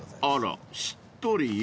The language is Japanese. ［あらしっとり？］